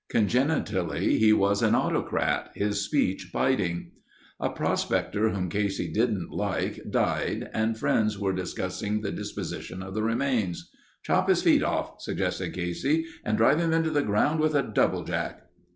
Congenitally he was an autocrat—his speech biting. A prospector whom Casey didn't like died and friends were discussing the disposition of the remains. "Chop his feet off," suggested Casey, "and drive him into the ground with a doublejack...."